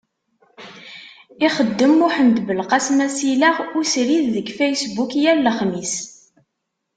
Ixeddem Muḥend Belqasem asileɣ usrid deg Facebook yal lexmis.